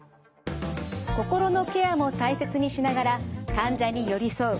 心のケアも大切にしながら患者に寄り添う